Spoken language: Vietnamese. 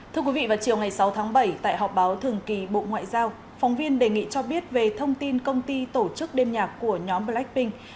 thưa quý vị vào chiều ngày sáu tháng bảy tại họp báo thường kỳ bộ ngoại giao phóng viên đề nghị cho biết về thông tin công ty tổ chức đêm nhạc của nhóm blackpink